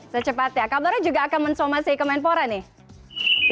secepatnya kabarnya juga akan mensomasi kemenpora nih